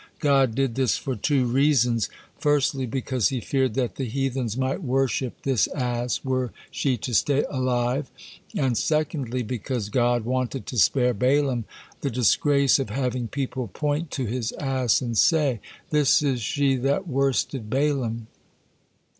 God did this for two reasons, firstly because He feared that the heathens might worship this ass were she to stay alive; and secondly because God wanted to spare Balaam the disgrace of having people point to his ass and say, "This is she that worsted Balaam."